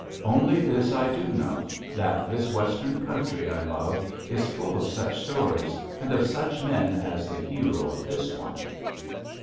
Only this I do know: that this Western country I love is full of such stories, and of such men as the hero of this one.